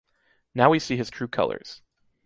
Now we see his true colors.